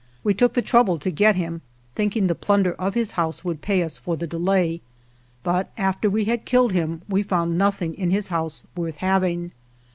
We took the trouble to get him, thinking the plunder of his house would pay us for the delay, but after we had killed him we found nothing in his house worth having.